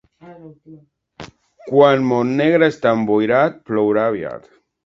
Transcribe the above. Quan Montnegre està emboirat, plourà aviat.